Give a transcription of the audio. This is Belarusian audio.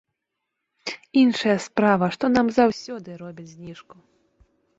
Іншая справа, што нам заўсёды робяць зніжку.